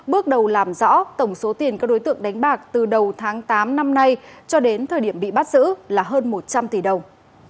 bước đầu làm rõ tổng số tiền các đối tượng đánh bạc từ đầu tháng tám năm nay cho đến thời điểm bị bắt giữ là hơn một trăm linh tỷ đồng